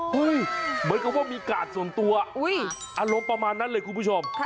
เหมือนกับว่ามีกาดส่วนตัวอารมณ์ประมาณนั้นเลยคุณผู้ชม